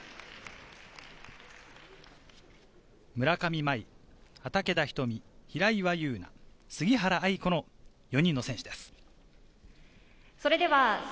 村上茉愛、畠田瞳、平岩優奈、杉原愛子の４人の選手です。